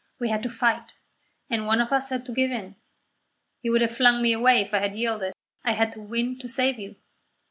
We had to fight, and one of us had to give in. You would have flung me away if I had yielded I had to win to save you."